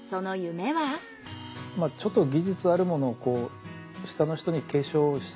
ちょっと技術あるものをこう下の人に継承。